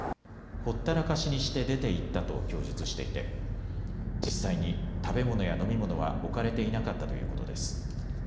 ほったらかしにして出て行ったと供述していて実際に食べ物や飲み物は置かれていなかったということです。